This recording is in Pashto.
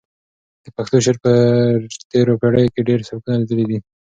د پښتو شعر په تېرو پېړیو کې ډېر سبکونه لیدلي دي.